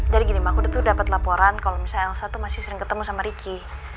jadi gini ma aku tuh dapet laporan kalau elsa tuh masih sering ketemu sama ricky